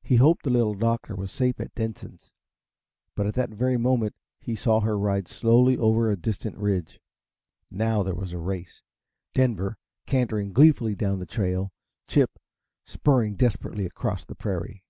He hoped the Little Doctor was safe at Denson's, but at that very moment he saw her ride slowly over a distant ridge. Now there was a race; Denver, cantering gleefully down the trail, Chip spurring desperately across the prairie.